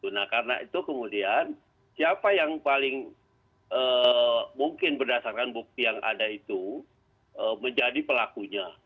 nah karena itu kemudian siapa yang paling mungkin berdasarkan bukti yang ada itu menjadi pelakunya